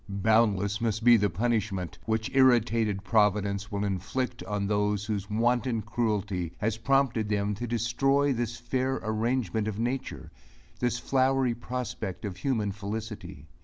Boundless must be the punishment, which irritated providence will inflict on those whose wanton cruelty has prompted them to destroy this fair arrangement of nature this flowery prospect of human felicity.